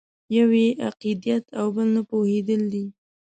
یو یې عقیدت او بل نه پوهېدل دي.